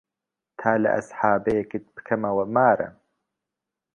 تا لە ئەسحابەیەکت پکەمەوە مارە